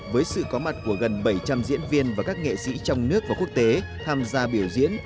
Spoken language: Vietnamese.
với sự có mặt của gần bảy trăm linh diễn viên và các nghệ sĩ trong nước và quốc tế tham gia biểu diễn